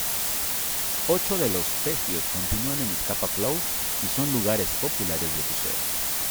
Ocho de los pecios continúan en Scapa Flow, y son lugares populares de buceo.